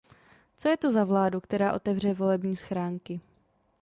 Co je to za vládu, která otevře volební schránky?